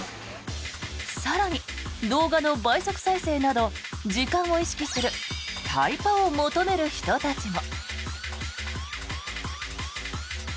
更に、動画の倍速再生など時間を意識するタイパを求める人たちも。